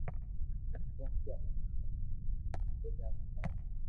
ڪونڪھ اوني آ وات ھمج ۾ ڪوئي آوي ھي